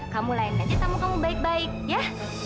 kamu lain aja tamu kamu baik baik ya